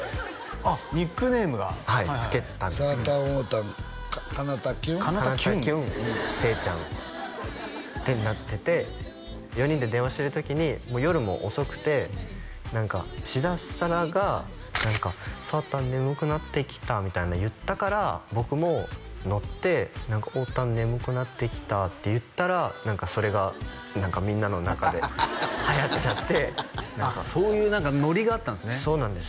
あっニックネームがはい付けたんですけどさーたんおーたんかなたきゅんかなたきゅんせーちゃんってなってて４人で電話してる時にもう夜も遅くて何か志田彩良が「さーたん眠くなってきた」みたいな言ったから僕もノッて何か「おーたん眠くなってきた」って言ったら何かそれがみんなの中ではやっちゃってああそういう何かノリがあったんすねそうなんです